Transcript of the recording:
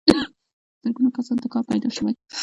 زرګونو کسانو ته کار پیدا شوی.